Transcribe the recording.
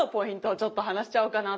ちょっと話しちゃおうかなと。